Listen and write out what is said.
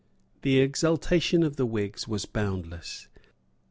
The exultation of the Whigs was boundless.